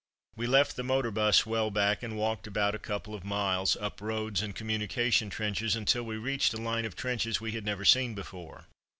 We left the motor bus well back, and walked about a couple of miles up roads and communication trenches until we reached a line of trenches we had never seen before.